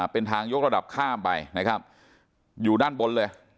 เป็นทางยกระดับข้ามไปนะครับอยู่ด้านบนเลย